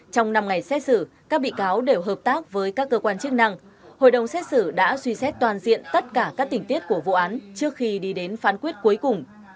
trong năm ngày xét xử các bị cáo đều hợp tác với các cơ quan chức năng hội đồng xét xử đã suy xét toàn diện tất cả các tình tiết của vụ án trước khi đi đến phán quyết cuối cùng